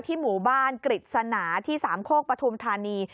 ที่หมู่บ้านกริจสนาที่สามโคกประธุมธานี